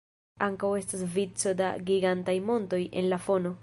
Ankaŭ estas vico da gigantaj montoj en la fono.